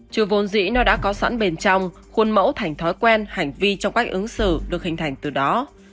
trừ vốn dĩ nó đã có sẵn bên trong khuôn mẫu thành thói quen hành vi trong cách ứng xử được hình thành từ đó